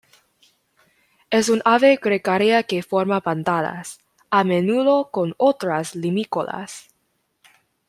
Es un ave gregaria que forma bandadas, a menudo con otras limícolas.